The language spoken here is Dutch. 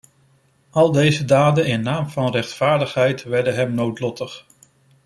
Al deze daden in naam van rechtvaardigheid werden hem noodlottig.